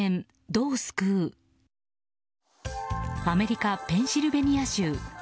アメリカ・ペンシルベニア州。